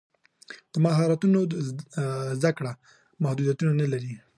د مهارتونو زده کړه محدودیت نه لري.